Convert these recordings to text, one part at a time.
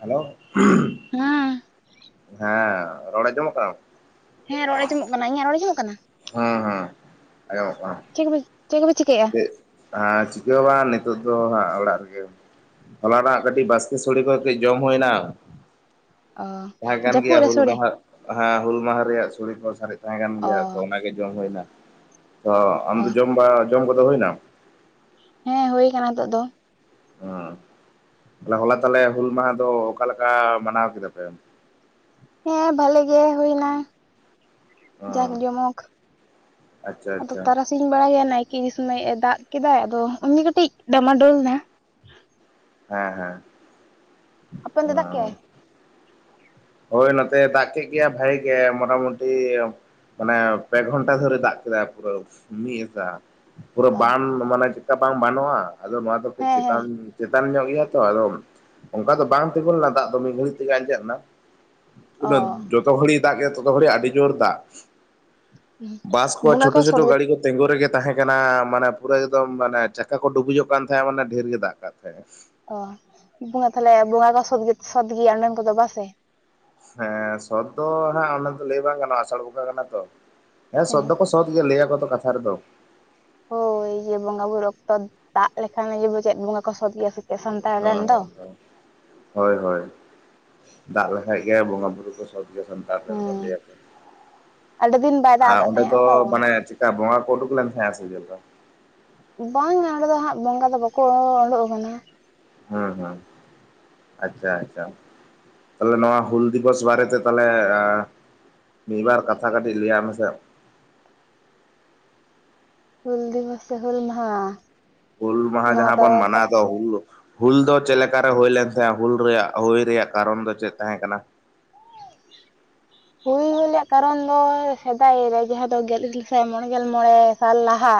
Hello ᱦᱮᱸ ᱦᱮᱸ ᱨᱚᱲ ᱟᱸᱡᱚᱢᱚᱜ ᱠᱟᱱᱟ? ᱦᱮᱸ ᱨᱚᱲ ᱟᱸᱡᱚᱢᱚᱜ ᱠᱟᱱᱟ᱾ ᱤᱧᱟᱜ ᱨᱚᱲ ᱟᱸᱡᱚᱢᱚᱜ ᱠᱟᱱᱟ? ᱦᱩᱸ, ᱦᱩᱸ ᱟᱸᱡᱚᱢᱚᱜ ᱠᱟᱱᱟ᱾ ᱪᱮᱫ ᱪᱮᱫ ᱠᱚᱯᱮ ᱪᱤᱠᱟᱹᱭᱮᱜ-ᱟ? ᱪᱮᱫ ᱦᱮᱸ ᱪᱤᱠᱟᱹ ᱵᱟᱝ, ᱱᱤᱛᱚᱜ ᱫᱚ ᱦᱟᱸᱜ ᱚᱲᱟᱜ ᱨᱮᱜᱮ ᱦᱚᱞᱟ ᱱᱟᱜ ᱠᱟᱹᱴᱤᱡ ᱵᱟᱥᱠᱮᱹ ᱥᱳᱲᱮᱸ ᱠᱚ ᱠᱟᱹᱡ ᱡᱚᱢ ᱦᱩᱭᱱᱟ᱾ ᱚ ᱛᱟᱦᱮᱸ ᱠᱟᱱ ᱜᱮᱭᱟ ᱡᱟᱹᱯᱩᱫ ᱨᱮ ᱦᱩᱞ ᱥᱚᱲᱮ ᱢᱟᱸᱦᱟ᱾ ᱦᱮᱸ ᱦᱩᱞ ᱢᱟᱦᱟ ᱨᱮᱭᱟ-ᱜ ᱥᱳᱲᱮᱸ ᱠᱚ ᱥᱟᱨᱮᱡ ᱛᱟᱦᱮᱸ ᱠᱟᱱ ᱚ ᱜᱮᱭᱟ᱾ ᱛᱚ ᱚᱱᱟᱜᱮ ᱡᱚᱢ ᱦᱩᱭᱱᱟ᱾ ᱛᱚ ᱟᱢ ᱚ ᱫᱚ ᱡᱚᱢ ᱵᱟ ᱡᱚᱢ ᱠᱚᱼᱫᱚ ᱦᱩᱭᱱᱟ᱾ ᱦᱮᱸ ᱦᱩᱭ ᱠᱟᱱᱟ ᱱᱤᱛᱚᱜ ᱫᱚ᱾ ᱦᱩᱸ ᱦᱚᱞᱟ ᱛᱟᱦᱞᱮ ᱦᱩᱞ ᱢᱟᱸᱦᱟ ᱫᱚ, ᱚᱠᱟᱞᱮᱠᱟ ᱢᱟᱱᱟᱣ ᱠᱮᱫᱟ ᱯᱮ? ᱦᱮᱸ ᱵᱷᱽᱟᱞᱮᱸᱜᱮ ᱦᱩᱭᱱᱟ᱾ ᱡᱟᱠ ᱡᱚᱢᱚᱠ ᱟᱪᱪᱷᱟ ᱟᱫᱚ ᱟᱪᱪᱷᱟ ᱛᱟᱨᱟ᱾ ᱥᱤᱧ ᱵᱮᱲᱟ ᱜᱮᱭᱟ ᱱᱟᱭᱠᱮᱹ ᱤᱫᱤ ᱥᱚᱢᱚᱭ ᱮᱸ ᱫᱟᱜ ᱠᱮᱫᱟᱭ ᱾ ᱟᱫᱚ ᱩᱱᱜᱮ ᱠᱟᱹᱴᱤᱡ ᱰᱟᱢᱟ ᱰᱳᱞᱱᱟ᱾ ᱦᱮᱸ, ᱦᱮᱸ ᱟᱯᱮ ᱚᱱᱛᱮ ᱫᱟᱜ ᱦᱮᱸ ᱠᱮᱜ-ᱟᱭ? ᱦᱳᱭ ᱱᱚᱛᱮ ᱫᱟᱜ ᱠᱮᱜ ᱜᱮᱭᱟ᱾ ᱵᱷᱟᱹᱜᱤ ᱜᱮ ᱢᱚᱴᱟᱢᱩᱴᱤ ᱢᱟᱱᱮ ᱯᱮ ᱜᱷᱽᱚᱱᱴᱟ ᱫᱷᱚᱨᱮ ᱫᱟᱜ ᱠᱮᱫᱟᱭ᱾ ᱯᱩᱨᱟᱹ ᱢᱤᱫ ᱮᱥᱟ᱾ ᱯᱩᱨᱟᱹ ᱚ ᱵᱟᱱ ᱢᱟᱱᱮ ᱪᱮᱫᱠᱟ ᱵᱟᱝ ᱵᱟᱱᱚᱜᱼᱟ᱾ ᱟᱫᱚ ᱱᱚᱣᱟ ᱫᱚ ᱠᱟᱹᱡ ᱦᱮᱸ ᱦᱮᱸ ᱪᱮᱛᱟᱱ ᱪᱮᱛᱟᱱ ᱧᱚᱜ ᱜᱮᱭᱟ ᱛᱚ᱾ ᱟᱫᱚ ᱚᱝᱠᱟ ᱫᱚ ᱵᱟᱝ ᱛᱤᱸᱜᱩ ᱞᱮᱱᱟ᱾ ᱫᱟᱜ ᱫᱚ ᱢᱤᱫ ᱜᱷᱟᱹᱲᱤᱡ ᱛᱮᱜᱮ ᱟᱸᱡᱮᱫ ᱱᱟ᱾ ᱚ ᱩᱱᱟᱹᱜ ᱡᱚᱛᱚ ᱜᱷᱟᱹᱲᱤᱡ ᱫᱟᱜ ᱠᱮᱛ ᱛᱚᱛᱚ ᱜᱷᱟᱹᱲᱤᱡ ᱟᱹᱰᱤ ᱡᱳᱨ ᱫᱟᱜ ᱵᱟᱥ ᱠᱚ ᱵᱚᱸᱜᱟ ᱪᱳᱴᱷᱳ - ᱪᱳᱴᱷᱳ ᱥᱚᱛ ᱜᱮ ᱜᱟᱲᱤ ᱠᱚ ᱛᱤᱸᱜᱩ ᱨᱮᱜᱮ ᱛᱟᱦᱮᱸ ᱠᱟᱱᱟ᱾ ᱢᱟᱱᱮ ᱯᱩᱨᱟᱹ ᱮᱠᱫᱚᱢ ᱢᱟᱱᱮ ᱪᱟᱠᱟ ᱠᱚ ᱰᱩᱵᱩᱡᱚ-ᱜ ᱠᱟᱱ ᱛᱟᱦᱮᱸᱜ, ᱢᱟᱱᱮ ᱰᱷᱽᱮᱹᱨ ᱜᱮ ᱫᱟᱜ ᱠᱟᱜ ᱛᱟᱦᱮᱸᱜᱼᱟ᱾ ᱚ ᱵᱚᱸᱜᱟ ᱛᱟᱦᱞᱮ ᱵᱚᱸᱜᱟ ᱠᱚ ᱥᱚᱛ ᱜᱮᱭᱟ᱾ ᱚᱸᱰᱮᱱ ᱠᱚᱼᱫᱚ ᱵᱟᱥᱮ ᱦᱮᱸ ᱥᱚᱛ ᱫᱚ ᱦᱟᱸᱜ ᱚᱱᱟ ᱫᱚ ᱞᱟᱹᱭ ᱵᱟᱝ ᱜᱟᱱᱚᱜᱼᱟ᱾ ᱟᱥᱟᱲ ᱵᱚᱸᱜᱟ ᱠᱟᱱᱟ ᱛᱚ᱾ ᱦᱮᱸ ᱥᱚᱛ ᱫᱚ-ᱠᱚ ᱥᱚᱛ ᱜᱮ ᱞᱟᱹᱭᱟᱠᱚ ᱛᱚ ᱠᱟᱛᱷᱟ ᱨᱮᱫᱚ᱾ ᱦᱳᱭ ᱡᱮ ᱵᱚᱸᱜᱟ ᱵᱩᱨᱩ ᱚᱠᱛᱚ ᱫᱟᱜ ᱞᱮᱠᱷᱟᱱ ᱜᱮ᱾ ᱵᱩᱡᱟ ᱪᱮᱫ ᱵᱚᱸᱜᱟ ᱠᱚ ᱥᱚᱛ ᱜᱮᱭᱟ ᱥᱮ᱾ ᱪᱮᱫ ᱥᱟᱱᱛᱟᱲ ᱦᱚ, ᱨᱮᱱ ᱫᱚ ᱦᱮ ᱦᱮ ᱾ ᱦᱳᱭ, ᱦᱳᱭ ᱫᱟᱜ ᱞᱮᱠᱷᱟᱡ ᱜᱮ, ᱵᱚᱸᱜᱟ ᱵᱩᱨᱩ ᱠᱚ ᱥᱚᱵᱮ ᱠᱟᱨ ᱴᱷᱮᱱ ᱠᱷᱚᱱ ᱦᱮᱸ ᱞᱟᱹᱭ ᱭᱟᱠᱚ, ᱟᱹᱰᱤ ᱫᱤᱱ ᱵᱟᱭ ᱟ ᱫᱟᱜ ᱟᱠᱟᱫ ᱚᱸᱰᱮ ᱛᱟᱦᱮᱸᱜᱼᱟ ᱫᱚ ᱛᱚ ᱢᱟᱱᱮ ᱪᱮᱫ ᱠᱟ ᱵᱚᱸᱜᱟ ᱠᱚ ᱩᱰᱩᱠ ᱞᱮᱱ ᱛᱟᱦᱮᱸᱼᱟ, ᱥᱮ ᱪᱮᱫ ᱞᱮᱠᱟ? ᱵᱟᱝᱼᱟ ᱚᱸᱰᱮ ᱫᱚ ᱦᱟᱸᱜ ᱵᱚᱸᱜᱟ ᱫᱚ ᱵᱟᱠᱚᱸᱻ ᱚᱸᱰᱚᱜ ᱟᱠᱟᱱᱟ ᱾ ᱦᱚᱸ ᱦᱚᱸ ᱟᱪᱪᱷᱟ ᱟᱪᱪᱷᱟ ᱾ ᱛᱟᱦᱮᱞᱮ ᱱᱚᱣᱟ ᱦᱩᱞ ᱫᱤᱵᱚᱥ ᱵᱟᱨᱮ ᱛᱮ ᱛᱟᱦᱮᱞᱮ ᱮᱸ ᱢᱤᱫ ᱵᱟᱨ ᱠᱟᱛᱷᱟ ᱠᱟᱹᱴᱤᱡ ᱞᱟᱹᱭᱼᱟᱜ ᱢᱮᱥᱮ? ᱦᱩᱞ ᱫᱤᱵᱚᱥ ᱥᱮ ᱦᱩᱞ ᱢᱟᱦᱟᱸ? ᱦᱩᱞ ᱢᱟᱦᱟ ᱡᱟᱦᱟᱸ ᱵᱚᱱ ᱢᱟᱱᱟᱣ ᱫᱚ ᱦᱩᱞ ᱦᱩᱞ ᱫᱚ ᱪᱮᱫ ᱞᱮᱠᱟᱨᱮ ᱦᱩᱭ ᱞᱮᱱ ᱛᱟᱦᱮᱸᱼᱟ, ᱦᱩᱞ ᱨᱮᱭᱟᱜ ᱦᱩᱭ ᱨᱮᱭᱟᱜ ᱠᱟᱨᱚᱱ ᱫᱚ ᱪᱮᱫ ᱛᱟᱦᱮᱸ ᱠᱟᱱᱟ? ᱦᱩᱭ ᱨᱮᱱᱟᱜ ᱠᱟᱨᱚᱱ ᱫᱚᱻᱭ ᱥᱮᱫᱟᱭ ᱨᱮ ᱡᱟᱦᱟᱸᱭ ᱫᱚ ᱜᱮᱞ ᱤᱨᱟᱹᱞ ᱥᱟᱭ ᱢᱚᱬᱮ ᱜᱮᱞ ᱢᱚᱬᱮ ᱥᱟᱞ ᱞᱟᱦᱟ,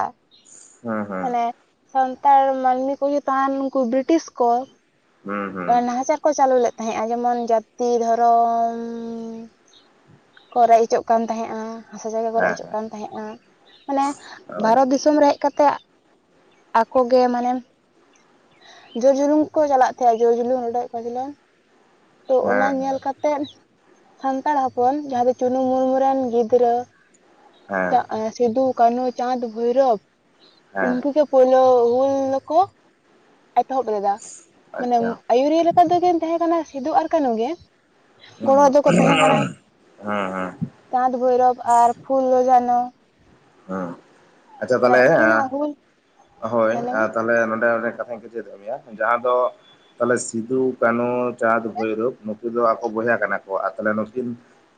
ᱦᱩᱸ ᱦᱩᱸ ᱢᱟᱱᱮ ᱥᱟᱱᱛᱟᱲ ᱢᱟᱹᱱᱢᱤ ᱠᱚ ᱤᱭᱟᱹ ᱛᱟᱦᱮᱸᱱ ᱩᱱᱠᱩ ᱵᱤᱨᱤᱴᱤᱥ ᱠᱚ, ᱦᱩᱸ ᱦᱩᱸ ᱟᱸ ᱱᱟᱦᱟᱪᱟᱨ ᱠᱚ ᱪᱟᱹᱞᱩ ᱞᱮᱜ ᱛᱟᱦᱮᱸᱜᱼᱟ, ᱡᱮᱢᱚᱱ ᱡᱟᱹᱛᱤ ᱫᱷᱚᱨᱚᱻᱢ, ᱠᱚ ᱨᱮᱡ ᱦᱚᱪᱚᱜ ᱠᱟᱱ ᱛᱟᱦᱮᱸᱜᱼᱟ, ᱦᱟᱸᱥᱟ ᱡᱟᱭᱜᱟ ᱠᱚ ᱨᱮᱡ ᱦᱮᱸ ᱦᱚᱪᱚᱜ ᱦᱮᱸ ᱠᱟᱱ ᱛᱟᱦᱮᱸᱜᱼᱟ, ᱢᱟᱱᱮ ᱚ ᱵᱷᱟᱨᱚᱛ ᱫᱤᱥ ᱚᱢ ᱨᱮ ᱦᱮᱡ ᱠᱟᱛᱮᱼᱟᱜ, ᱟᱠᱚ ᱜᱮ ᱢᱟᱱᱮᱢ ᱡᱳᱨ ᱡᱩᱱᱩᱢ ᱠᱚ ᱪᱟᱞᱟᱜ ᱪᱟᱭ ᱡᱚᱭ ᱡᱩᱞᱩᱱ ᱨᱚᱰᱚᱡ ᱠᱚᱪᱞᱳᱱ, ᱛᱚ ᱚᱱᱟ ᱦᱮᱸ ᱦᱮᱸ ᱧᱮᱞ ᱠᱟ ᱛᱮᱫ ᱥᱟᱱᱛᱟᱲ ᱦᱚᱯᱚᱱ ᱡᱟᱦᱟᱸ ᱫᱚ ᱪᱩᱱᱩ ᱢᱩᱨᱢᱩ ᱨᱮᱱ ᱜᱤᱫᱽᱨᱟᱹ, ᱦᱮᱸ ᱪᱟᱜ ᱮᱸ ᱥᱤᱫᱩ, ᱠᱟᱹᱱᱦᱩ ᱪᱟᱸᱫᱽ ᱵᱷᱳᱭᱨᱚᱵᱽ, ᱦᱮᱸ ᱩᱱᱠᱩ ᱜᱮᱯ ᱯᱩᱭᱞᱳ ᱦᱩᱞ ᱫᱚ ᱠᱚᱣᱟ ᱮᱛᱚᱦᱚᱵ ᱞᱮᱫᱟ, ᱢᱮᱱᱮᱢ ᱟᱪᱪᱷᱟ ᱟᱹᱭᱩᱨᱤᱭᱟᱹ ᱞᱮᱠᱟ ᱛᱮᱫᱚ ᱠᱤᱱ ᱛᱟᱦᱮᱸ ᱠᱟᱱᱟ, ᱥᱤᱫᱩ ᱟᱨ ᱠᱟᱹᱱᱦᱩ ᱜᱮ, ᱦᱩᱸ ᱜᱚᱲᱚ ᱦᱩᱸ ᱫᱚᱠᱚ ᱛᱟᱦᱮᱸ ᱠᱟᱱᱟ ᱦᱩᱸ ᱦᱩᱸ ᱪᱟᱸᱫᱽ, ᱵᱷᱳᱭᱨᱚᱵᱽ ᱟᱨ ᱯᱷᱩᱞᱳ, ᱡᱷᱟᱱᱚ ᱦᱚᱸ, ᱟᱪᱪᱷᱟ ᱢᱟᱱᱮ ᱛᱟᱦᱮᱞᱮ, ᱩᱱᱠᱤᱱᱟᱜ ᱭᱟᱹ ᱦᱩᱞ ᱦᱳᱭ, ᱦᱮᱸ ᱞᱟᱹᱭ ᱢᱮ ᱟᱨ ᱛᱟᱦᱮᱞᱮ ᱱᱚᱰᱮ ᱚᱸᱰᱮ ᱠᱟᱛᱷᱟ ᱦᱚᱸᱠᱚ ᱪᱮᱫᱚᱜ ᱜᱮᱭᱟ, ᱡᱟᱦᱟᱸ ᱫᱚ ᱛᱟᱦᱚᱞᱮ ᱥᱤᱫᱩ, ᱠᱟᱹᱱᱦᱩ, ᱪᱟᱸᱫᱽ, ᱵᱷᱳᱭᱨᱳᱵᱽ ᱱᱩᱠᱩ ᱫᱚ ᱟᱠᱚ ᱵᱚᱭᱦᱟ ᱠᱟᱱᱟ ᱠᱚ ᱟᱨ ᱛᱟᱦᱚᱞᱮ ᱱᱩᱠᱤᱱ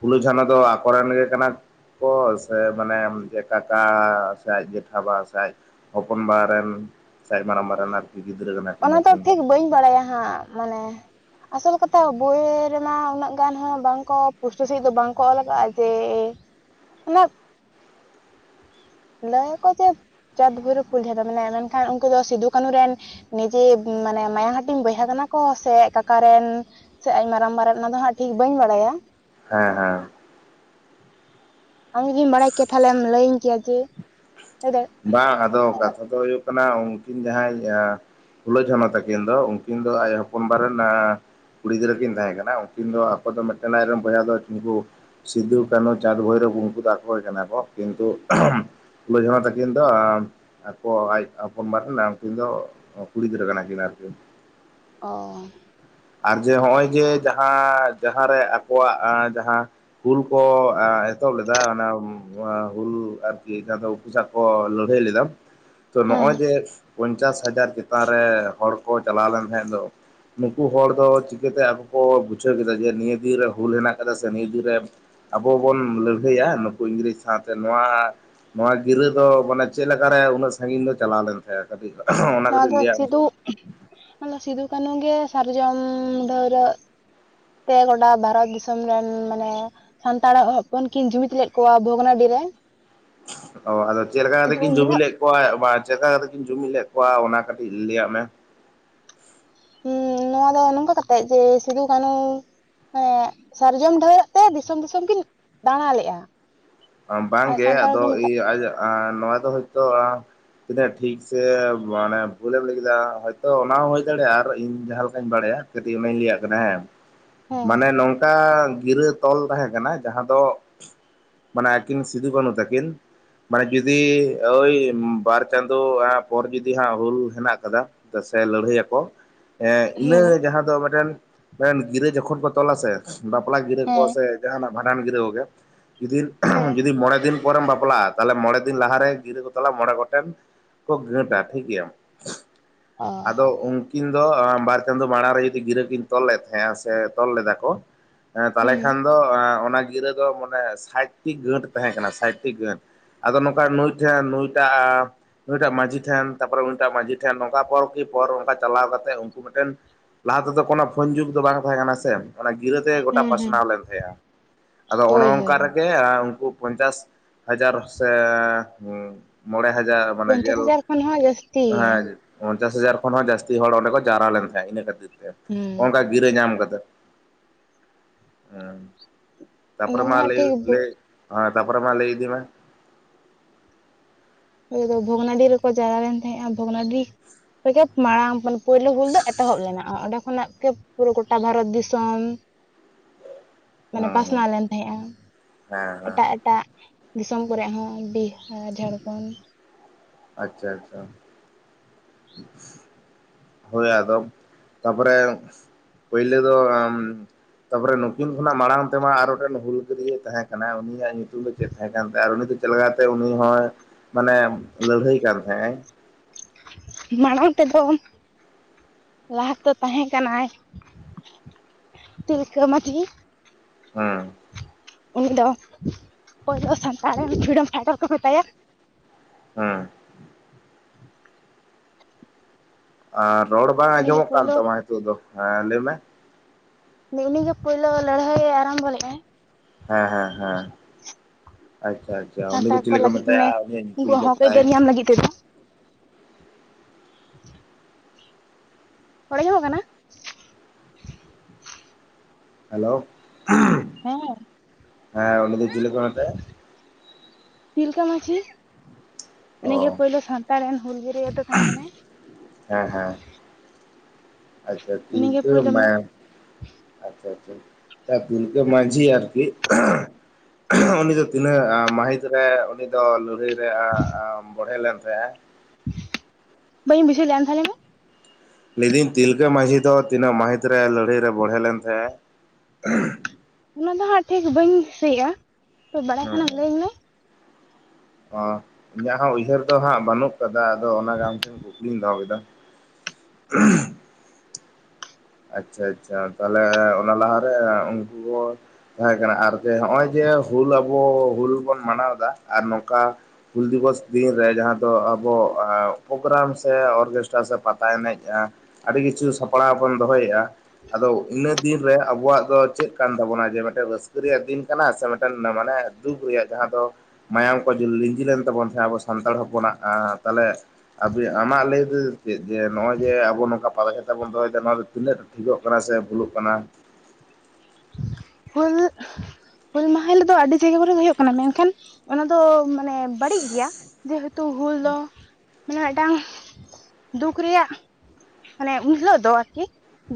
ᱯᱷᱩᱞᱳᱼᱡᱷᱟᱱᱚ ᱫᱚ ᱟᱠᱚ ᱨᱮᱱ ᱜᱮ ᱠᱟᱱᱟ ᱠᱚ, ᱥᱮ ᱢᱟᱱᱮᱻᱢ ᱡᱮ ᱠᱟᱠᱟ ᱥᱮ ᱟᱡ ᱡᱮᱴᱷᱟ ᱵᱟ ᱥᱮ ᱟᱡ ᱦᱚᱯᱚᱱ ᱵᱟ ᱨᱮᱱ, ᱥᱮ ᱟᱡ ᱢᱟᱨᱟᱝ ᱵᱟ ᱨᱮᱱ ᱟᱨ ᱜᱤᱫᱽᱨᱟᱹ ᱠᱟᱱᱟ? ᱠᱤᱱ ᱚᱱᱟ ᱫᱚ ᱱᱩᱠᱤᱱ ᱴᱷᱤᱠ ᱵᱟᱹᱧ ᱵᱟᱲᱟᱭᱟ ᱦᱟᱸᱜ ᱢᱟᱱᱮ᱾ ᱟᱥᱚᱞ ᱠᱟᱛᱷᱟ ᱵᱳᱭᱮ ᱨᱮᱢᱟ ᱩᱱᱟᱹᱜ ᱜᱟᱱ ᱦᱚᱸ ᱵᱟᱝᱠᱚ ᱯᱩᱥᱴᱟᱹ ᱥᱟᱺᱦᱤᱡ ᱫᱚ ᱵᱟᱝ ᱠᱚ ᱚᱞ ᱟᱠᱟᱜᱼᱟ ᱡᱮ, ᱚᱱᱟᱵ ᱞᱟᱹᱭ ᱭᱟᱠᱚ ᱡᱮ ᱪᱟᱸᱫᱷ ᱵᱷᱳᱭᱨᱳᱵᱽ ᱯᱷᱩᱞ ᱡᱷᱟᱱᱚ ᱢᱮᱱᱟᱭᱟ, ᱢᱮᱱᱠᱷᱟᱱ ᱩᱱᱠᱩ ᱫᱚ ᱥᱤᱫᱷᱩᱼ ᱠᱟᱹᱱᱦᱩ ᱨᱮᱱ ᱱᱤᱡᱮ ᱢᱟᱱᱮ ᱢᱟᱭᱟᱝ ᱦᱟᱹᱴᱤᱧ ᱵᱚᱭᱦᱟ ᱠᱟᱱᱟ ᱠᱚ ᱥᱮ ᱟᱡ ᱠᱟᱠᱟ ᱨᱮᱱ ᱥᱮ ᱟᱡ ᱢᱟᱨᱟᱝᱼᱵᱟ ᱨᱮᱱ, ᱚᱱᱟ ᱫᱚ ᱦᱟᱸᱜ ᱴᱷᱤᱠ ᱵᱟᱹᱧ ᱵᱟᱰᱟᱭᱟ ᱾ ᱦᱮᱸ ᱦᱮᱸ ᱾ ᱟᱢ ᱡᱩᱫᱤᱢ ᱵᱟᱰᱟᱭ ᱠᱮᱭᱟ ᱛᱟᱦᱮᱞᱮᱢ ᱞᱟᱹᱭ ᱭᱟᱹᱧ ᱠᱮᱭᱟ ᱡᱮ, ᱞᱟᱹᱭ ᱫᱟᱲᱮ ᱵᱟᱝᱼᱟ, ᱟᱫᱚ ᱠᱟᱛᱷᱟ ᱫᱚ ᱦᱩᱭᱩᱜ ᱠᱟᱱᱟ ᱩᱸᱠᱤᱱ ᱡᱟᱦᱟᱸᱭ ᱭᱟᱸ ᱯᱷᱩᱞᱳ ᱡᱷᱟᱱᱚ ᱛᱟᱹᱠᱤᱱ ᱫᱚ ᱩᱸᱠᱤᱱ ᱫᱚ ᱟᱡ ᱦᱚᱯᱚᱱᱼᱵᱟ ᱨᱮᱱ, ᱟᱸ ᱠᱩᱲᱤ ᱜᱤᱫᱽᱨᱟᱹ ᱠᱤᱱ ᱛᱟᱦᱮᱸ ᱠᱟᱱᱟ, ᱩᱸᱠᱤᱱ ᱫᱚ ᱟᱠᱚ ᱫᱚ ᱢᱤᱫᱴᱮᱱ ᱟᱡ ᱨᱮᱱ ᱵᱚᱭᱦᱟ ᱫᱚ ᱪᱩᱱᱜᱩ ᱥᱤᱫᱩ, ᱠᱟᱹᱱᱦᱩ, ᱪᱟᱸᱫᱽ, ᱵᱷᱳᱭᱨᱳᱵᱽ ᱩᱱᱠᱩ ᱫᱚ ᱟᱠᱚ ᱜᱮ ᱠᱟᱱᱟ ᱠᱚ ᱠᱤᱱᱛᱩ [unintelligible] ᱯᱷᱩᱞᱚ ᱡᱷᱟᱱᱚ ᱛᱟᱠ ᱠᱤᱱ ᱫᱚ ᱟᱸ ᱟᱠᱚ ᱟᱡ ᱦᱚᱯᱚᱱ ᱵᱟ ᱨᱮᱱ ᱟᱸ ᱩᱱᱠᱤᱱ ᱫᱚ ᱠᱩᱲᱤ ᱜᱤᱫᱽᱨᱟᱹ ᱠᱟᱱᱟ ᱠᱤᱱ ᱟᱨᱠᱤ ᱾ ᱚᱻ ᱟᱨ ᱡᱮ ᱦᱚᱸᱜᱼᱚᱭ ᱡᱮ ᱡᱟᱦᱟᱸ ᱡᱟᱦᱟᱸᱨᱮ ᱟᱠᱚᱣᱟᱜ ᱟᱸ ᱡᱟᱦᱟᱸ ᱦᱩᱞ ᱠᱚ ᱟᱸ ᱮᱛᱚᱦᱚᱵ ᱞᱮᱫᱟ ᱚᱱᱟ ᱱᱚᱣᱟ ᱦᱩᱞ ᱟᱨᱠᱤ ᱮᱠᱟ ᱫᱚ ᱯᱩᱡᱟ ᱠᱚ ᱞᱟᱹᱰᱷᱟᱹᱭ ᱞᱮᱫᱟ ᱛᱚ ᱦᱮᱸ ᱱᱚᱜᱼᱚᱭ ᱡᱮ ᱯᱚᱧᱪᱟᱥ ᱦᱟᱡᱟᱨ ᱪᱮᱛᱟᱱ ᱨᱮ ᱦᱚᱲ ᱠᱚ ᱪᱟᱞᱟᱣ ᱞᱮᱱ ᱛᱟᱦᱮᱫ ᱫᱚ ᱾ ᱩᱱᱠᱩ ᱦᱚᱲ ᱫᱚ ᱪᱤᱠᱟᱹᱛᱮ ᱟᱠᱚ ᱠᱚ ᱵᱩᱡᱷᱟᱹᱣ ᱠᱮᱫᱟ ᱡᱮ, ᱱᱤᱭᱟᱹ ᱫᱤᱱᱨᱮ ᱦᱩᱞ ᱦᱮᱱᱟᱜ ᱟᱠᱟᱫᱟ ᱥᱮ ᱱᱤᱭᱟᱹ ᱫᱤᱱᱨᱮ ᱟᱵᱚ ᱵᱚᱱ ᱞᱟᱹᱲᱦᱟᱹᱭᱟ ᱱᱩᱠᱩ ᱤᱝᱨᱮᱡᱽ ᱥᱟᱶᱛᱮ ᱱᱚᱣᱟ ᱱᱚᱣᱟ ᱜᱤᱨᱟᱹ ᱫᱚ ᱢᱟᱱᱮ ᱪᱮᱫ ᱞᱮᱠᱟ ᱨᱮ ᱩᱱᱟᱹᱜ ᱥᱟᱹᱜᱤᱧ ᱫᱚ ᱪᱟᱞᱟᱣ ᱞᱮᱱᱟ? ᱦᱮᱸ ᱠᱟᱹᱴᱤᱡ [inaudible] ᱱᱚᱣᱟ ᱫᱚ ᱢᱮᱥᱮ ᱥᱤᱫᱩ, ᱱᱚᱣᱟ ᱫᱚ ᱥᱤᱫᱩ ᱠᱟᱹᱱᱩ ᱜᱮ ᱥᱟᱨᱡᱚᱢ ᱰᱟᱹᱣᱨᱟᱹᱜ ᱛᱮ ᱜᱚᱴᱟ ᱵᱷᱟᱨᱚᱛ ᱫᱤᱥᱚᱢ ᱨᱮᱱ ᱢᱟᱱᱮ ᱥᱟᱱᱛᱟᱲ ᱦᱚᱯᱚᱱ ᱠᱤᱱ ᱡᱩᱢᱤᱫ ᱞᱮᱫ ᱠᱚᱣᱟ ᱵᱷᱚᱜᱽᱱᱟᱰᱤ ᱨᱮ᱾ ᱚ ᱟᱫᱚ ᱪᱮᱫ ᱞᱮᱠᱟ ᱠᱟᱛᱮ ᱠᱤᱱ ᱩᱱ ᱦᱤᱞᱳᱜ ᱡᱩᱢᱤᱞ ᱮᱫ ᱠᱚᱣᱟ ᱵᱟ ᱪᱮᱫ ᱞᱮᱠᱟ ᱠᱟᱛᱮ ᱠᱤᱱ ᱡᱩᱢᱤᱫ ᱞᱮᱫ ᱠᱚᱣᱟ, ᱚᱱᱟ ᱠᱟᱹᱴᱤᱡ ᱞᱟᱹᱭᱟᱜ ᱢᱮ᱾ ᱦᱩᱸ ᱱᱚᱣᱟ ᱫᱚ ᱱᱚᱝᱠᱟ ᱠᱟᱛᱮᱜ ᱡᱮ ᱥᱤᱫᱩ ᱠᱟᱹᱱᱩ ᱦᱮᱸ ᱥᱟᱨᱡᱚᱢ ᱰᱷᱟᱣᱨᱟᱹᱜ ᱛᱮ ᱫᱤᱥᱚᱢ ᱫᱤᱥᱚᱢ ᱠᱤᱱ ᱫᱟᱬᱟ ᱞᱮᱜᱼᱟ᱾ ᱟᱨ ᱵᱟᱝᱜᱮ ᱥᱟᱱᱛᱟᱲ ᱟᱫᱚ ᱠᱚ ᱢᱮᱛᱟᱜ ᱤᱭᱟᱹ ᱟᱡᱟᱜ ᱱᱚᱣᱟ ᱫᱚ ᱦᱚᱭ ᱛᱚ ᱛᱤᱱᱟᱹᱜ ᱴᱷᱤᱠ ᱥᱮ ᱢᱟᱱᱮ ᱵᱷᱩᱞᱮᱢ ᱞᱟᱹᱭ ᱠᱮᱫᱟ, ᱦᱚᱭᱛᱚ ᱚᱱᱟ ᱦᱚᱸ ᱦᱳᱭ ᱫᱟᱲᱮᱭᱟᱜᱼᱟ ᱟᱨ ᱤᱧ ᱡᱟᱦᱟᱸ ᱞᱮᱠᱟᱧ ᱵᱟᱲᱟᱭᱟ ᱠᱟᱹᱴᱤᱡ ᱚᱱᱟᱧ ᱞᱟᱹᱭᱟᱜ ᱠᱟᱱᱟ ᱦᱮᱸ, ᱦᱮᱸ ᱢᱟᱱᱮ ᱱᱚᱝᱠᱟ ᱜᱤᱨᱟᱹ ᱛᱚᱞ ᱛᱟᱦᱮᱸ ᱠᱟᱱᱟ ᱡᱟᱦᱟᱸ ᱫᱚ ᱢᱟᱱᱮ ᱟᱠᱤᱱ ᱥᱤᱫᱩ ᱠᱟᱹᱱᱩ ᱛᱟᱠᱤᱱ ᱢᱟᱱᱮ ᱡᱩᱫᱤ ᱳᱭ ᱵᱟᱨ ᱪᱟᱸᱫᱳ ᱯᱚᱨ ᱡᱩᱫᱤ ᱦᱟᱸᱜ ᱦᱩᱞ ᱦᱮᱱᱟᱜ ᱟᱠᱟᱫᱟ ᱪᱮᱫ ᱥᱮ ᱞᱟᱹᱲᱦᱟᱹᱭ ᱟᱠᱚ, ᱤᱱᱟᱹ ᱦᱮᱸ ᱡᱟᱦᱟᱸ ᱫᱚ ᱢᱤᱫᱴᱮᱱ ᱜᱤᱨᱟᱹ ᱡᱚᱠᱷᱚᱱ ᱠᱚ ᱛᱚᱞᱟ ᱥᱮ ᱵᱟᱯᱞᱟ ᱜᱤᱨᱟᱹ ᱠᱚ ᱦᱮᱸ ᱥᱮ ᱡᱟᱦᱟᱱᱟᱜ ᱵᱷᱟᱰᱟᱱ ᱜᱤᱨᱟᱹ ᱜᱚᱜᱮ, ᱡᱩᱫᱤᱨ ᱦᱮᱸ ᱡᱩᱫᱤ ᱢᱚᱬᱮ ᱫᱤᱱ ᱯᱚᱨᱮᱢ ᱵᱟᱯᱞᱟᱜᱼᱟ, ᱛᱟᱦᱚᱞᱮ ᱢᱚᱬᱮ ᱫᱤᱱ ᱞᱟᱦᱟᱨᱮ ᱜᱤᱨᱟᱹ ᱠᱚ ᱛᱟᱞᱟ ᱢᱚᱬᱮ ᱜᱚᱴᱮᱱ᱾ ᱠᱚ ᱜᱟᱹᱴᱟ ᱴᱷᱤᱠ ᱜᱮᱭᱟᱢ ᱚ ᱟᱫᱚ ᱩᱝ ᱠᱤᱱ ᱫᱚ ᱵᱟᱨ ᱪᱟᱸᱫᱳ ᱢᱟᱲᱟᱝ ᱨᱮ ᱡᱩᱫᱤ ᱜᱤᱨᱟᱹ ᱠᱤᱱ ᱛᱚᱞ ᱞᱮᱫ ᱛᱟᱦᱮᱸᱜᱼᱟ ᱥᱮ ᱛᱚᱞ ᱞᱮᱫᱟ ᱠᱚ ᱛᱟᱦᱚᱞᱮ ᱦᱩᱸ ᱠᱷᱟᱱ ᱫᱚ, ᱚᱱᱟ ᱜᱤᱨᱟᱹ ᱫᱚ ᱢᱟᱱᱮ ᱥᱟᱴ ᱴᱤ ᱜᱟᱹᱴ ᱛᱟᱦᱮᱸ ᱠᱟᱱᱟ, ᱥᱟᱴ ᱴᱤ ᱜᱟᱹᱴ ᱟᱫᱚ ᱱᱚᱝᱠᱟ ᱱᱩᱭ ᱴᱷᱮᱱ ᱱᱩᱭ ᱴᱟᱜ ᱱᱩᱤᱴᱟᱜ ᱢᱟᱡᱷᱤ ᱴᱷᱮᱱ, ᱛᱟᱨᱯᱚᱨᱮ ᱩᱱᱤᱴᱟᱜ ᱢᱟᱹᱡᱷᱤ ᱴᱷᱮᱱ, ᱱᱚᱝᱠᱟ ᱯᱚᱨ ᱠᱤ ᱯᱚᱨ ᱚᱱᱠᱟ ᱪᱟᱞᱟᱣ ᱠᱟᱛᱮ ᱩᱱᱠᱩ ᱢᱮᱴᱮᱱ ᱞᱟᱦᱟ ᱛᱮᱫᱚ ᱠᱳᱱᱳ ᱯᱷᱳᱱ ᱡᱩᱜᱽ ᱫᱚ ᱵᱟᱝ ᱛᱟᱦᱮᱸ ᱠᱟᱱᱟ ᱥᱮ, ᱚᱱᱟ ᱜᱤᱨᱟᱹ ᱛᱮᱜᱮ ᱜᱚᱴᱟ ᱦᱩᱸ ᱦᱩᱸ ᱯᱟᱥᱱᱟᱣ ᱞᱮᱱ ᱛᱟᱦᱮᱸᱜᱼᱟ ᱟᱫᱚ ᱚᱱᱮ ᱦᱳᱭ ᱚᱱ ᱦᱳᱭ ᱥᱮ ᱟᱨ ᱩᱱᱠᱩ ᱯᱚᱧᱪᱟᱥ ᱦᱟᱡᱟᱨ ᱥᱮ ᱢᱚᱬᱮ ᱦᱟᱡᱟᱨ ᱢᱟᱱᱮ ᱯᱚᱧᱪᱟᱥ ᱡᱮᱞ ᱦᱟᱡᱟᱨ ᱠᱷᱚᱱ ᱦᱚᱸ ᱡᱟᱹᱥᱛᱤ ᱜᱮ ᱦᱮᱸ ᱯᱚᱧᱪᱟᱥ ᱦᱟᱡᱟᱨ ᱠᱷᱚᱱ ᱦᱚᱸ ᱡᱟᱹᱥᱛᱤ ᱦᱚᱲ ᱚᱸᱰᱮ ᱠᱚ ᱡᱟᱣᱨᱟ ᱞᱮᱱ ᱛᱟᱦᱮᱸᱫ ᱤᱱᱟᱹ ᱠᱷᱟᱹᱛᱤᱨ ᱦᱩᱸ ᱚᱱᱠᱟ ᱜᱤᱨᱟᱹ ᱧᱟᱢ ᱠᱟᱛᱮ ᱦᱮᱸ᱾ ᱛᱟᱯᱚᱨᱮ ᱚᱱᱟ ᱫᱚ ᱢᱟ ᱦᱟᱸᱜ ᱞᱟᱹᱭ ᱴᱷᱤᱠ ᱞᱟᱹᱭ ᱛᱟᱯᱚᱨᱮ ᱢᱟ ᱞᱟᱹᱭ ᱤᱫᱤ ᱢᱮ᱾ ᱚ ᱫᱚ ᱵᱷᱚᱜᱽᱱᱟᱰᱤ ᱨᱮᱠᱚ ᱡᱟᱣᱨᱟ ᱞᱮᱱ ᱛᱟᱦᱮᱸᱜᱼᱟ ᱵᱷᱚᱜᱽᱱᱟᱰᱤ ᱨᱮᱜᱮ ᱢᱟᱲᱟᱝ ᱯᱳᱭᱞᱳ ᱦᱩᱞ ᱫᱚ ᱮᱛᱚᱦᱚᱵ ᱞᱮᱱᱟ, ᱚᱸᱰᱮ ᱠᱷᱚᱱᱟᱜ ᱜᱮ ᱯᱩᱨᱟᱹ ᱜᱚᱴᱟ ᱵᱷᱟᱨᱚᱛ ᱫᱤᱥᱚᱢ ᱢᱟᱱᱮ ᱦᱮᱸ ᱦᱮᱸ ᱯᱟᱥᱱᱟᱣ ᱞᱮᱱ ᱛᱟᱦᱮᱸᱜᱼᱟ ᱦᱮᱸ ᱦᱮᱸ ᱮᱴᱟᱜ ᱮᱴᱟᱜ ᱫᱤᱥᱚᱢ ᱠᱚᱨᱮ ᱦᱚᱸ, ᱵᱤᱦᱟᱨ ᱡᱷᱟᱲᱠᱚᱸᱰ ᱟᱪᱪᱷᱟ, ᱟᱪᱪᱷᱟ [inaudible] ᱦᱳᱭ ᱟᱫᱚ ᱛᱟᱯᱚᱨᱮ ᱯᱟᱭᱞᱟᱹ ᱫᱚᱻ ᱛᱟᱯᱚᱨᱮ ᱱᱩᱠᱤᱱ ᱠᱷᱚᱱᱟᱜ ᱢᱟᱲᱟᱝ ᱛᱮᱢᱟ ᱟᱨ ᱢᱤᱫ ᱴᱮᱱ ᱦᱩᱞᱜᱟᱹᱨᱤᱭ ᱛᱟᱦᱮᱸ ᱠᱟᱱᱟᱭ ᱩᱱᱤᱭᱟᱜ ᱧᱩᱛᱩᱢ ᱫᱚ ᱪᱮᱫ ᱛᱟᱦᱮᱸ ᱠᱟᱱ ᱛᱟᱭᱟ? ᱟᱨ ᱩᱱᱤ ᱫᱚ ᱪᱮᱫ ᱞᱮᱠᱟ ᱛᱮ ᱩᱱᱤ ᱦᱚᱸᱭ ᱢᱟᱱᱮ ᱞᱟᱹᱲᱦᱟᱹᱭ ᱠᱟᱱ ᱛᱟᱦᱮᱸᱜ ᱟᱭ? ᱢᱟᱲᱟᱝ ᱛᱮᱫᱚ ᱞᱟᱦᱟ ᱛᱮᱫᱚ ᱛᱟᱦᱮᱸ ᱠᱟᱱᱟᱭ, ᱛᱤᱞᱠᱟᱹ ᱢᱟᱹᱡᱷᱤ ᱦᱩᱸ ᱩᱱᱤ ᱫᱚ ᱯᱳᱭᱞᱳ ᱥᱟᱱᱛᱟᱲ ᱨᱮᱱ ᱯᱷᱨᱤᱰᱚᱢ ᱯᱷᱟᱭᱴᱟᱨ ᱠᱚ ᱢᱮᱛᱟᱭᱟ ᱾ ᱦᱩᱸ ᱾ ᱟᱨ ᱨᱚᱲ ᱵᱟᱝ ᱩᱱᱤᱜᱮ ᱟᱸᱡᱚᱢᱚᱜ ᱠᱟᱱ ᱯᱳᱭᱞᱳ ᱛᱟᱢᱟ, ᱦᱤᱛᱚᱜ ᱫᱚ ᱦᱮᱸ ᱞᱟᱹᱭ ᱢᱮ ᱾ ᱱᱮ ᱩᱱᱤ ᱜᱮ ᱯᱳᱭᱞᱳ ᱞᱟᱹᱲᱦᱟᱹᱭ ᱟᱨᱟᱢᱵᱚ ᱞᱮᱜ ᱟᱭ ᱾ ᱦᱮᱸ ᱦᱮᱸ ᱦᱮᱸ ᱟᱪᱪᱷᱟ ᱟᱪᱪᱷᱟ᱾ ᱩᱱᱤ ᱫᱚ ᱥᱟᱱᱛᱟᱲ ᱪᱤᱞᱤ ᱠᱚ ᱞᱟᱹᱜᱤᱫ ᱢᱟᱱᱮ ᱢᱮᱛᱟᱭᱟ, ᱩᱱᱤᱭᱟᱜ ᱧᱩᱛᱩᱢ ᱩᱱᱠᱩᱣᱟᱜ ᱪᱮᱫ ᱦᱚᱠ ᱛᱟᱭ? ᱟᱹᱭᱫᱟᱹᱨ ᱧᱟᱢ ᱞᱟᱹᱜᱤᱫ ᱛᱮᱫᱚ [inaudible] ᱨᱚᱲ ᱟᱸᱡᱚᱢᱚᱜ ᱠᱟᱱᱟ? ᱦᱮᱞᱳ ᱾ ᱦᱮᱸ ᱾ ᱦᱮᱸ ᱩᱱᱤ ᱫᱚ ᱪᱮᱞᱮᱠᱚ ᱢᱮᱛᱟᱭᱟ? ᱛᱤᱞᱠᱟᱹ ᱢᱟᱺᱡᱷᱤ ᱩᱱᱤ ᱜᱮ ᱚ ᱯᱳᱭᱞᱳ ᱥᱟᱱᱛᱟᱲ ᱨᱮᱱ ᱦᱩᱞᱜᱟᱨᱤᱭᱟ ᱫᱚ ᱛᱟᱦᱮᱸ ᱠᱟᱱᱟᱭ ᱾ ᱦᱮᱸ ᱦᱮᱸ ᱟᱪᱪᱷᱟ ᱩᱱᱤᱜᱮ ᱛᱤᱞᱠᱟᱹ ᱯᱳᱭᱞᱳ ᱢᱟᱱᱮ [inaudible] ᱟᱪᱪᱷᱟ ᱟᱪᱪᱷᱟ ᱛᱤᱞᱠᱟᱹ ᱢᱟᱺᱡᱷᱤ ᱟᱨᱠᱤ ᱩᱱᱤ ᱫᱚ ᱛᱤᱱᱟᱹᱜ ᱢᱟᱹᱦᱤᱛ ᱨᱮ, ᱩᱱᱤ ᱫᱚ ᱞᱟᱹᱲᱦᱟᱹᱭ ᱨᱮ ᱵᱚᱲᱦᱮ ᱞᱮᱱ ᱛᱟᱦᱮᱸᱜᱼᱟᱭ ᱵᱟᱹᱧ ᱵᱩᱡᱷᱟᱹᱣ ᱞᱮᱫ ᱟ ᱟᱨ ᱢᱤᱫ ᱫᱷᱟᱣ ᱞᱟᱹᱭ ᱢᱮ ᱾ ᱞᱟᱹᱭ ᱫᱟᱹᱧ ᱛᱤᱞᱠᱟᱹ ᱢᱟᱹᱡᱷᱤ ᱫᱚ ᱛᱤᱱᱟᱹᱜ ᱢᱟᱹᱦᱤᱛ ᱨᱮ ᱞᱟᱹᱲᱦᱟᱹᱭ ᱨᱮ ᱵᱚᱲᱦᱮ ᱞᱮᱱ ᱛᱟᱦᱮᱸᱜᱼᱟᱭ? ᱚᱱᱟ ᱫᱚ ᱦᱟᱸᱜ ᱴᱷᱤᱠ ᱵᱟᱹᱧ ᱫᱤᱥᱟᱹᱭ ᱮᱜᱼᱟ, ᱛᱚ ᱵᱟᱲᱟᱭ ᱠᱷᱟᱱ ᱟᱢ ᱦᱮᱸ ᱞᱟᱹᱭ ᱟᱹᱧᱟ ᱾ ᱤᱧᱟᱹᱜ ᱦᱚᱸ ᱩᱭᱦᱟᱹᱨ ᱫᱚ ᱦᱟᱸᱜ ᱵᱟᱹᱱᱩᱜ ᱠᱟᱫᱟ᱾ ᱟᱫᱚ ᱚᱱᱟ ᱜᱮ ᱟᱢ ᱴᱷᱮᱱ ᱠᱩᱠᱞᱤᱧ ᱫᱚᱦᱚ ᱠᱮᱫᱟ ᱾ [unintelligible] ᱟᱪᱪᱷᱟ ᱟᱪᱪᱷᱟ ᱛᱟᱦᱚᱞᱮ ᱚᱱᱟ ᱞᱟᱦᱟ ᱨᱮ ᱩᱱᱠᱩ ᱠᱚ ᱛᱟᱦᱮᱸ ᱠᱟᱱᱟ ᱟᱨ ᱡᱮ ᱱᱚᱜᱼᱚᱭ ᱡᱮ ᱦᱩᱞ ᱟᱵᱚ ᱦᱩᱞ ᱵᱚᱱ ᱢᱟᱱᱟᱣ ᱫᱟ ᱟᱨ ᱱᱚᱝᱠᱟ ᱦᱩᱞ ᱫᱤᱵᱚᱥ ᱫᱤᱱ ᱨᱮ ᱡᱟᱦᱟᱸ ᱫᱚ ᱟᱵᱚ ᱯᱨᱳᱜᱨᱟᱢ ᱥᱮ ᱚᱨᱜᱮᱥᱴᱟᱨ ᱥᱮ ᱯᱟᱛᱟ ᱮᱱᱮᱢ ᱟᱹᱰᱤ ᱠᱤᱪᱷᱩ ᱥᱟᱯᱲᱟᱣ ᱵᱚᱱ ᱫᱚᱦᱚᱭ ᱮᱜᱼᱟ ᱾ ᱟᱫᱚ ᱤᱱᱟᱹ ᱫᱤᱱ ᱨᱮ ᱟᱵᱚᱣᱟᱜ ᱫᱚ ᱪᱮᱫ ᱠᱟᱱ ᱛᱟᱵᱚᱱᱟ ᱡᱮ ᱢᱮᱫᱴᱮᱱ ᱨᱟᱹᱥᱠᱟᱹ ᱨᱮᱭᱟᱜ ᱫᱤᱱ ᱠᱟᱱᱟ ᱥᱮ ᱢᱤᱫᱴᱮᱱ ᱢᱟᱱᱮ ᱫᱩᱠ ᱨᱮᱭᱟᱜ ᱡᱟᱦᱟᱸ ᱫᱚ ᱢᱟᱭᱟᱢ ᱠᱚ ᱞᱤᱸᱡᱤ ᱞᱮᱱ ᱛᱟᱵᱚᱱ ᱛᱟᱦᱮᱸᱱ ᱟᱵᱚ ᱥᱟᱱᱛᱟᱲ ᱦᱚᱯᱚᱱᱟᱜ ᱛᱟᱦᱚᱞᱮ ᱟᱢᱟᱜ ᱞᱟᱹᱭ ᱫᱚ ᱪᱮᱫ ᱡᱮ ᱱᱚᱜᱼᱚᱭ ᱡᱮ ᱟᱵᱚ ᱱᱚᱝᱠᱟ ᱯᱟᱛᱟ ᱪᱷᱟᱛᱟ ᱛᱟ ᱵᱚᱱ ᱫᱚᱦᱚᱭ ᱱᱚᱣᱟ ᱫᱚ ᱛᱤᱱᱟᱹᱜ ᱴᱷᱤᱠᱚᱜ ᱠᱟᱱᱟ ᱥᱮ ᱵᱷᱩᱞᱩᱜ ᱠᱟᱱᱟ ᱦᱩᱞ, ᱦᱩᱞ ᱢᱟᱦᱟ ᱦᱤᱞᱳᱜ ᱫᱚ ᱟᱹᱰᱤᱡᱟᱭᱜᱟ ᱠᱚᱨᱮ ᱦᱳᱭᱳᱜ ᱠᱟᱱᱟ ᱢᱮᱱᱠᱷᱟᱱ ᱚᱱᱟ ᱫᱚ ᱢᱟᱱᱮ ᱵᱟᱹᱲᱤᱡ ᱜᱮᱭᱟ᱾ ᱡᱮᱦᱮᱛᱩ ᱦᱩᱞ ᱫᱚ ᱢᱟᱱᱮ ᱢᱤᱫ ᱴᱟᱝ ᱫᱩᱠ ᱨᱮᱭᱟᱜ ᱢᱟᱱᱮ ᱩᱱ ᱦᱤᱞᱳᱜ ᱫᱚ ᱟᱨᱠᱤ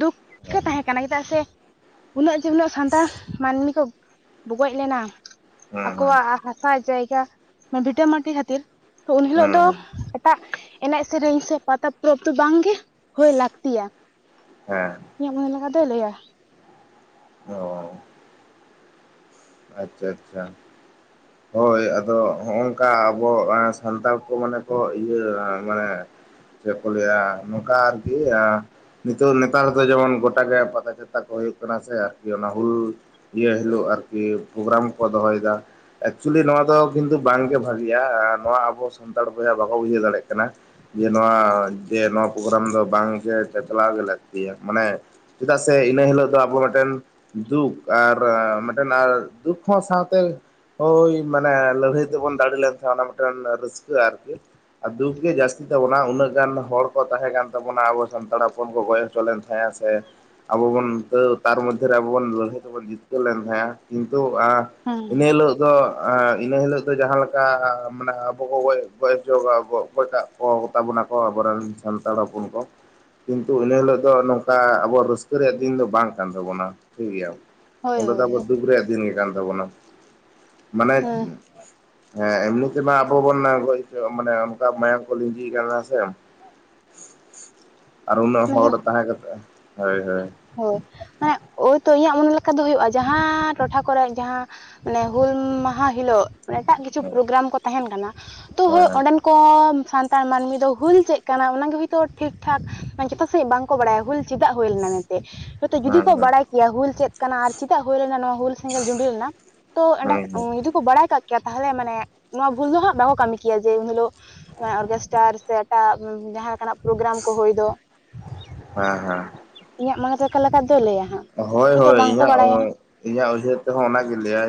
ᱫᱩᱠ ᱜᱮ ᱛᱟᱦᱮᱸ ᱠᱟᱱᱟ ᱪᱮᱫᱟᱜ ᱥᱮ ᱩᱱᱟᱹᱜ ᱡᱮ, ᱩᱱᱟᱹᱜ ᱥᱟᱱᱛᱟᱲ ᱢᱟᱹᱱᱢᱤ ᱠᱚ ᱜᱚᱡ ᱞᱮᱱᱟ ᱦᱩᱸ ᱦᱩᱸ ᱟᱠᱚᱣᱟᱜ ᱦᱟᱥᱟ ᱡᱟᱭᱜᱟ ᱵᱷᱤᱴᱟᱹ ᱢᱟᱴᱤ ᱠᱷᱟᱹᱛᱤᱨ ᱛᱚ ᱩᱱ ᱦᱤᱞᱳᱜ ᱫᱚ ᱦᱩᱸ ᱦᱩᱸ ᱮᱴᱟᱜ ᱮᱱᱮᱡ ᱥᱮᱨᱮᱹᱧ ᱥᱮ ᱯᱟᱛᱟ ᱯᱚᱨᱚᱵᱽᱫᱚ ᱵᱟᱝ ᱜᱮ ᱦᱳᱭ ᱞᱟᱹᱠᱛᱤᱭᱟ ᱦᱮᱸ ᱾ ᱤᱧᱟᱹᱜ ᱢᱚᱱᱮ ᱞᱮᱠᱟ ᱫᱚᱭ ᱞᱟᱹᱭᱼᱟ ᱾ ᱚ ᱟᱪᱪᱷᱟ ᱟᱪᱪᱷᱟ ᱾ [inaudible] ᱦᱳᱭ ᱟᱫᱟ ᱦᱚᱸᱜᱼᱝᱠᱟ ᱟᱵᱚ ᱥᱟᱱᱛᱟᱲ ᱠᱚ ᱢᱟᱱᱮ ᱠᱚ ᱤᱭᱟᱹ ᱢᱟᱱᱮ ᱪᱮᱫ ᱠᱚ ᱞᱟᱹᱭ ᱱᱚᱝᱠᱟ ᱟᱨᱠᱤ ᱱᱤᱛᱚᱜ ᱱᱮᱛᱟᱨ ᱫᱚ ᱡᱮᱢᱚᱱ ᱜᱚᱴᱟᱜ ᱜᱮ ᱯᱟᱛᱟ ᱪᱷᱟᱛᱟ ᱠᱚ ᱦᱩᱭᱩᱜ ᱠᱟᱱᱟ ᱥᱮ ᱟᱨᱠᱤ ᱚᱱᱟ ᱦᱩᱞ ᱤᱭᱟᱹ ᱦᱤᱞᱳᱜ ᱟᱨᱠᱤ ᱯᱨᱳᱜᱨᱟᱢ ᱠᱚ ᱫᱚᱦᱚᱭ ᱫᱟ ᱾ ᱮᱠᱪᱩᱭᱮᱞᱤ ᱱᱚᱣᱟ ᱫᱚ ᱠᱤᱱᱛᱩ ᱵᱟᱝ ᱜᱮ ᱵᱷᱟᱜᱤᱭᱟ, ᱱᱚᱣᱟ ᱟᱵᱚ ᱥᱟᱱᱛᱟᱲ ᱵᱚᱭᱦᱟ ᱵᱟᱠᱚ ᱵᱩᱡᱷᱟᱹᱣ ᱫᱟᱲᱮᱜ ᱠᱟᱱᱟ ᱾ ᱡᱮ ᱱᱚᱣᱟ ᱡᱮ ᱱᱚᱣᱟ ᱯᱨᱳᱜᱨᱟᱢ ᱫᱚ ᱵᱟᱝ ᱜᱮ ᱪᱟᱪᱞᱟᱣ ᱜᱮ ᱞᱟᱹᱠᱛᱤ ᱭᱟ ᱢᱟᱱᱮ ᱪᱮᱫᱟᱜ ᱥᱮ ᱤᱱᱟᱹ ᱦᱤᱞᱳᱜ ᱫᱚ ᱟᱵᱚ ᱢᱤᱫ ᱴᱮᱱ ᱫᱩᱠ ᱟᱨ ᱟᱨ ᱫᱩᱠ ᱦᱚᱸ ᱥᱟᱶᱛᱮ ᱦᱳᱭ ᱢᱟᱱᱮ ᱞᱟᱹᱲᱦᱟᱹᱭ ᱛᱮ ᱵᱚᱱ ᱫᱟᱲᱮ ᱞᱮᱱ ᱛᱟᱦᱮᱸ ᱚᱱᱟ ᱨᱟᱹᱥᱠᱟᱹ ᱟᱨᱠᱤ ᱫᱩᱠ ᱜᱮ ᱡᱟᱹᱥᱛᱤ [unintelligible] ᱩᱱᱟᱹᱜ ᱜᱟᱱ ᱦᱚᱲ ᱠᱚ ᱛᱟᱦᱮᱸ ᱠᱟᱱ ᱛᱟᱵᱚᱱᱟ ᱟᱵᱚ ᱥᱟᱱᱛᱟᱲ ᱦᱚᱯᱚᱱ ᱠᱚ ᱜᱚᱡ ᱦᱚᱪᱚ ᱞᱮᱱ ᱛᱟᱦᱮᱸᱜᱼᱟ ᱥᱮ ᱟᱵᱚ ᱵᱚᱱ ᱛᱟᱨ ᱢᱚᱫᱽᱫᱷᱮ ᱨᱮ ᱟᱵᱚ ᱵᱚᱱ ᱞᱟᱹᱲᱦᱟᱹᱭ ᱛᱮ ᱵᱚᱱ ᱡᱤᱛᱠᱟᱹᱨ ᱞᱮᱱ ᱛᱟᱦᱮᱸᱜᱼᱟ᱾ ᱠᱤᱱᱛᱩ ᱦᱮᱸ ᱤᱱᱟᱹ ᱦᱤᱞᱳᱜ ᱫᱚ ᱤᱱᱟᱹ ᱦᱤᱞᱳᱜ ᱫᱚ ᱡᱟᱦᱟᱸ ᱞᱮᱠᱟ ᱢᱟᱱᱮ ᱟᱵᱚ ᱠᱚ ᱜᱚᱡ [unintelligible] ᱜᱚᱡ ᱴᱟᱜ ᱠᱚ ᱛᱟᱵᱚᱱᱟ ᱠᱚ ᱟᱵᱚ ᱨᱮᱱ ᱥᱟᱱᱛᱟᱲ ᱦᱚᱯᱚᱱ ᱠᱚ ᱠᱤᱱᱛᱩ ᱤᱱᱟᱹ ᱦᱤᱞᱳᱜ ᱫᱚ ᱱᱚᱝᱠᱟ ᱟᱵᱚ ᱨᱟᱹᱥᱠᱟᱹ ᱨᱮᱭᱟᱜ ᱫᱤᱱ ᱫᱚ ᱵᱟᱝ ᱠᱟᱱ ᱛᱟᱵᱚᱱᱟ ᱴᱷᱤᱠ ᱜᱮᱭᱟ ᱾ ᱦᱳᱭ ᱚᱸᱰᱮ ᱫᱚ ᱦᱳᱭ ᱟᱵᱚ ᱫᱩᱠ ᱨᱮᱭᱟᱜ ᱫᱤᱱ ᱠᱟᱱ ᱛᱟᱵᱚᱱᱟ ᱢᱟᱱᱮ ᱦᱮᱸ ᱦᱮᱸ ᱮᱢᱱᱤ ᱛᱮ ᱢᱟ ᱟᱵᱚ ᱵᱚᱱ ᱜᱚᱡ ᱢᱟᱱᱮ ᱚᱱᱠᱟ ᱢᱟᱭᱟᱝ ᱠᱚ ᱞᱤᱸᱡᱤ ᱠᱟᱱᱟ ᱥᱮ [inaudible] ᱟᱨ ᱩᱱᱟᱹᱜ ᱢᱟᱱᱮ ᱦᱚᱲ ᱛᱟᱦᱮᱸ ᱠᱟᱛᱮᱜ ᱦᱳᱭ ᱦᱳᱭ᱾ ᱦᱳᱭ ᱢᱟᱱᱮ ᱳᱭᱛᱳ ᱤᱧᱟᱹᱜ ᱢᱚᱱᱮ ᱞᱮᱠᱟ ᱫᱚ ᱦᱩᱭᱩᱜᱼᱟ ᱡᱟᱦᱟᱸ ᱴᱚᱴᱷᱟ ᱠᱚᱨᱮ ᱡᱟᱦᱟᱸ ᱢᱟᱱᱮ ᱦᱩᱞ ᱢᱟᱦᱟ ᱦᱤᱞᱳᱜ ᱮᱴᱟᱜ ᱠᱤᱪᱷᱩ ᱯᱨᱳᱜᱨᱟᱢ ᱠᱚ ᱛᱟᱦᱮᱱ ᱠᱟᱱᱟ ᱛᱚ ᱦᱳᱭ ᱚᱸᱰᱮᱱ ᱠᱚ ᱥᱟᱱᱛᱟᱲ ᱢᱟᱹᱱᱢᱤ ᱫᱚ ᱦᱩᱞ ᱪᱮᱫ ᱠᱟᱱᱟ ᱚᱱᱟᱜᱮ ᱦᱳᱭᱛᱳ ᱴᱷᱤᱠ ᱴᱷᱟᱠ ᱡᱷᱚᱛᱚ ᱥᱮᱫ ᱵᱟᱝᱠᱚ ᱵᱟᱲᱟᱭᱟ ᱦᱩᱞ ᱪᱮᱫᱟᱜ ᱦᱩᱭ ᱞᱮᱱᱟ ᱢᱮᱱᱛᱮ ᱦᱚᱭᱛᱚ ᱡᱩᱫᱤ ᱠᱚ ᱵᱟᱲᱟᱭ ᱠᱮᱭᱟ ᱦᱩᱞ ᱪᱮᱫ ᱠᱟᱱᱟ ᱟᱨ ᱪᱮᱫᱟᱜ ᱦᱩᱞ ᱞᱮᱱᱟ ᱱᱚᱣᱟ ᱦᱩᱞ ᱥᱮᱸᱜᱮᱞ ᱡᱩᱸᱰᱤ ᱞᱮᱱᱟ᱾ ᱛᱚ ᱮᱸᱰᱮ ᱡᱩᱫᱤ ᱠᱚ ᱵᱟᱲᱟᱭ ᱠᱟᱜ ᱠᱮᱭᱟ ᱛᱟᱦᱞᱮ ᱢᱟᱱᱮ ᱱᱚᱣᱟ ᱵᱷᱩᱞ ᱫᱚ ᱦᱟᱸᱜ ᱵᱟᱠᱚ ᱠᱟᱹᱢᱤ ᱠᱮᱭᱟ ᱡᱮ ᱩᱱ ᱦᱤᱞᱳᱜ ᱚᱨᱜᱮᱥᱴᱟᱨ ᱥᱮ ᱮᱴᱟᱜ ᱡᱟᱦᱟᱸ ᱞᱮᱠᱟᱱᱟᱜ ᱯᱨᱳᱜᱨᱟᱢ ᱠᱚ ᱦᱩᱭ ᱫᱚ᱾ ᱦᱮᱸ ᱦᱮᱸ ᱤᱧᱟᱹᱜ ᱢᱟᱲᱟᱝ ᱴᱟᱠᱟ ᱞᱮᱠᱟ ᱫᱚ ᱞᱟᱹᱭᱟ ᱦᱟᱸᱜ᱾ ᱦᱳᱭ ᱦᱳᱭᱛᱳ ᱦᱳᱭ ᱵᱟᱝᱠᱚ ᱤᱧᱟᱹᱜ ᱵᱟᱲᱟᱭᱟ ᱤᱧᱟᱹᱜ ᱩᱭᱦᱟᱹᱨ ᱛᱮᱦᱚᱸ ᱚᱱᱟᱜᱤᱧ ᱞᱟᱹᱭᱟ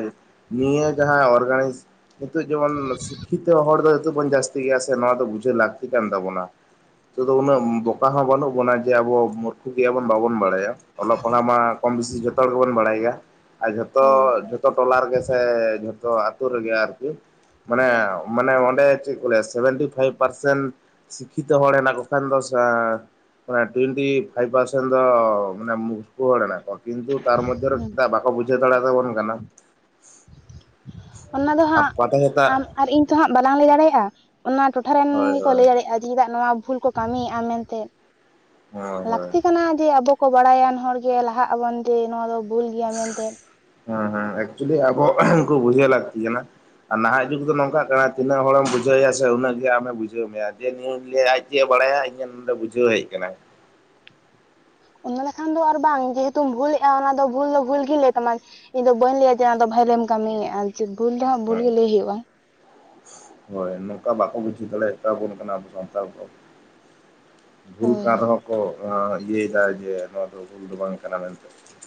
ᱱᱤᱭᱟᱹ ᱡᱟᱦᱟᱸ ᱚᱨᱜᱟᱱᱤᱡ ᱱᱤᱛᱚᱜ ᱡᱮᱢᱚᱱ ᱥᱤᱠᱠᱷᱤᱛᱚ ᱦᱚᱲ ᱫᱚ ᱱᱤᱛ ᱵᱚᱱ ᱡᱟᱹᱥᱛᱤ ᱜᱮᱭᱟ ᱥᱮ ᱱᱚᱣᱟ ᱫᱚ ᱵᱩᱡᱷᱟᱹᱣ ᱞᱟᱹᱠᱛᱤ ᱠᱟᱱ ᱛᱟᱵᱚᱱᱟ᱾ ᱱᱤᱛᱚᱜ ᱫᱚ ᱩᱱᱟᱹᱜ ᱵᱚᱠᱟ ᱦᱚᱸ ᱵᱟᱹᱱᱩᱜ ᱵᱚᱱᱟ ᱡᱮ ᱟᱵᱚ ᱢᱩᱨᱠᱷᱩ ᱜᱮᱭᱟᱵᱚᱱ ᱵᱟᱵᱚᱱ ᱵᱟᱲᱟᱭᱟ ᱚᱞᱳᱜ ᱚᱱᱟ ᱢᱟ ᱠᱚᱢ ᱵᱤᱥᱤ ᱡᱷᱚᱛᱚ ᱦᱚᱲ ᱜᱮᱵᱚᱱ ᱵᱟᱲᱟᱭ ᱜᱮᱭᱟ ᱟᱨ ᱡᱷᱚᱛᱚ, ᱦᱮᱸ ᱡᱷᱚᱛᱚ ᱴᱚᱞᱟ ᱨᱮᱜᱮ ᱥᱮ ᱛᱚ ᱟᱹᱛᱩ ᱨᱮ ᱜᱮ ᱟᱨᱠᱤ ᱢᱟᱱᱮ ᱢᱟᱱᱮ ᱚᱸᱰᱮ ᱪᱮᱫ ᱠᱚ ᱞᱟᱹᱭᱟ ᱥᱮᱵᱷᱮᱱᱴᱤ ᱯᱷᱟᱭᱤᱵᱷ ᱯᱟᱨᱥᱮᱱᱴ ᱥᱤᱠᱠᱷᱤᱛᱚ ᱦᱚᱲ ᱦᱮᱱᱟᱜ ᱠᱚ ᱠᱷᱟᱱ ᱫᱚ ᱚᱱᱮ ᱴᱩᱭᱮᱱᱴᱤ ᱯᱷᱟᱭᱤᱵᱷ ᱯᱟᱨᱥᱮᱱᱴ ᱫᱚ ᱢᱟᱱᱮ ᱢᱩ ᱠᱩ ᱦᱚᱲ ᱢᱮᱱᱟᱜ ᱠᱚᱣᱟ ᱠᱤᱱᱛᱩ ᱛᱟᱨ ᱢᱚᱫᱫᱷᱮ ᱨᱮᱜᱮ ᱵᱟᱠᱚ ᱵᱩᱡᱷᱟᱹᱣ ᱫᱟᱲᱟᱭᱟ ᱛᱟᱵᱚᱱ ᱠᱟᱱᱟ, ᱚᱱᱟ ᱫᱚ ᱟᱨ ᱦᱟᱸᱜ ᱯᱟᱛᱟ ᱪᱷᱟᱛᱟ ᱟᱢ ᱟᱨ ᱤᱧ ᱛᱚ ᱦᱟᱸᱜ ᱵᱟᱞᱟᱝ ᱞᱟᱹᱭ ᱫᱟᱲᱮᱭᱟᱜᱼᱟ᱾ ᱚᱱᱟ ᱴᱚᱴᱷᱟ ᱨᱮᱱ ᱦᱳᱭ ᱜᱮᱠᱚ ᱦᱳᱭ ᱞᱟᱹᱭ ᱫᱟᱲᱮᱭᱟᱜᱼᱟ ᱡᱮ ᱪᱮᱫᱟᱜ ᱱᱚᱣᱟ ᱵᱷᱩᱞ ᱠᱚ ᱠᱟᱹᱢᱤᱭᱮᱫᱼᱟ ᱢᱮᱱᱛᱮ, ᱦᱳᱭ ᱦᱳᱭ ᱞᱟᱹᱠᱛᱤ ᱠᱟᱱᱟ ᱡᱮ ᱟᱵᱚ ᱠᱚ ᱵᱟᱲᱟᱭᱟᱱ ᱦᱚᱲᱜᱮ ᱞᱟᱦᱟᱜ ᱟᱵᱚᱱ ᱡᱮ ᱱᱚᱣᱟ ᱫᱚ ᱵᱷᱩᱞ ᱜᱮᱭᱟ ᱢᱮᱱᱛᱮ᱾ ᱦᱮᱸ ᱦᱮᱸ ᱮᱠᱪᱩᱭᱮᱞᱤ ᱟᱵᱚ ᱠᱩ ᱵᱩᱡᱷᱟᱹᱣ ᱞᱟᱜᱛᱤ ᱠᱟᱱᱟ᱾ ᱟᱨ ᱱᱟᱦᱟᱜ ᱡᱩᱜᱽ ᱫᱚ ᱱᱚᱝᱠᱟᱜ ᱠᱟᱱᱟ ᱛᱤᱱᱟᱹᱜ ᱦᱚᱲᱮᱢ ᱵᱩᱡᱷᱟᱹᱣ ᱮᱭᱟ ᱥᱮ ᱩᱱᱟᱹᱜ ᱜᱮ ᱟᱢᱮ ᱵᱩᱡᱷᱟᱹᱣ ᱢᱮᱭᱟ ᱡᱮ ᱟᱡ ᱪᱮᱫ ᱵᱟᱲᱟᱭᱟ ᱤᱧᱟᱹᱜ ᱱᱚᱰᱮ ᱵᱩᱡᱷᱟᱹᱣ ᱦᱮᱡ ᱟᱠᱟᱱᱟ᱾ ᱚᱱᱟ ᱞᱮᱠᱷᱟᱱ ᱫᱚ ᱟᱨ ᱵᱟᱝ ᱡᱮᱦᱮᱛᱩᱢ ᱵᱷᱩᱞ ᱮᱜᱼᱟ ᱚᱱᱟ ᱫᱚ ᱵᱷᱩᱞ ᱫᱚ ᱵᱷᱩᱞ ᱜᱮ ᱞᱟᱹᱭ ᱛᱟᱢᱟ᱾ ᱤᱧ ᱫᱚ ᱵᱟᱹᱧ ᱞᱟᱹᱭᱟ ᱡᱮ ᱚᱱᱟᱫᱚ ᱵᱷᱟᱞᱮᱢ ᱠᱟᱹᱢᱤᱭᱮᱫᱼᱟ ᱵᱷᱩᱞ ᱫᱚ ᱦᱟᱸᱜ ᱵᱷᱩᱞ ᱦᱮᱸ ᱜᱮ ᱞᱟᱹᱭ ᱦᱩᱭᱩᱜᱼᱟ᱾ ᱦᱳᱭ ᱱᱚᱝᱠᱟ ᱵᱟᱠᱚ ᱵᱩᱡᱷᱟᱹᱣ ᱫᱟᱲᱮᱭᱟᱜ ᱛᱟᱵᱚᱱ ᱠᱟᱱᱟ ᱟᱵᱚ ᱥᱟᱱᱛᱟᱲ ᱠᱚ᱾ ᱵᱷᱩᱞ ᱦᱳᱭ ᱠᱟᱱ ᱦᱳᱭ ᱨᱮᱦᱚᱸ ᱠᱚ ᱤᱭᱟᱹᱭᱮᱫᱟ ᱡᱮ ᱱᱚᱣᱟ ᱫᱚ ᱵᱷᱩᱞ ᱫᱚ ᱵᱟᱝ ᱠᱟᱱᱟ ᱢᱮᱱᱛᱮ᱾